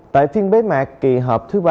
tại phiên bế mạc kỳ họp thứ ba